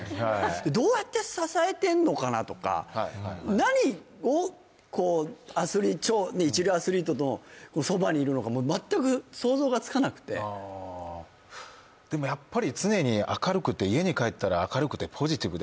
どうやって支えてるのかなとか、何を超一流アスリートのそばにいるのか全く想像がつかなくてでもやっぱり常に明るくて、家に帰って明るくてポジティブで。